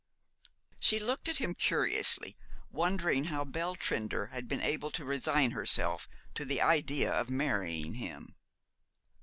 She looked at him curiously, wondering how Belle Trinder had been able to resign herself to the idea of marrying him.